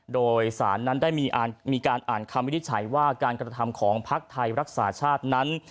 โดยสารนั้นได้มีการอ่านคำวินิจฉัยว่าการกระทำของภักดิ์ไทยรักษาชาตินั้น